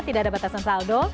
tidak ada batasan saldo